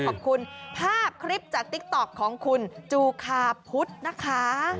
ขอบคุณภาพคลิปจากติ๊กต๊อกของคุณจูคาพุทธนะคะ